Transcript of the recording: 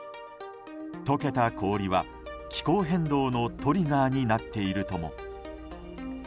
解けた氷は気候変動のトリガーになっているとも。